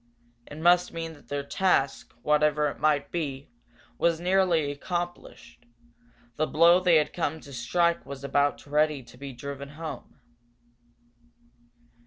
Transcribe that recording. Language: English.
It must mean that their task, whatever it might be, was nearly accomplished the blow they had come to strike was about ready to be driven home.